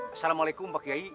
assalamualaikum pak kiai